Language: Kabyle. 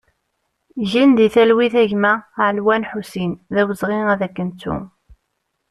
Gen di talwit a gma Alwan Ḥusin, d awezɣi ad k-nettu!